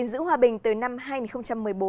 phân tích sự hữu